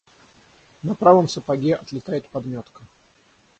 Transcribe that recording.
На правом сапоге отлетает подметка.